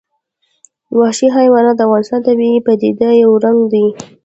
وحشي حیوانات د افغانستان د طبیعي پدیدو یو رنګ دی.